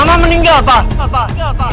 mama meninggal pak